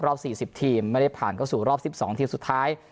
๔๐ทีมไม่ได้ผ่านเข้าสู่รอบ๑๒ทีมสุดท้าย